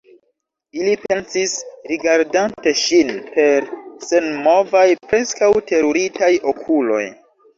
li pensis, rigardante ŝin per senmovaj, preskaŭ teruritaj okuloj.